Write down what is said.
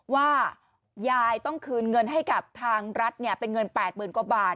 ว่ายายต้องคืนเงินให้กับทางรัฐเป็นเงิน๘๐๐๐กว่าบาท